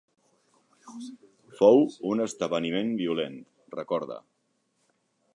"Fou un esdeveniment violent", recorda.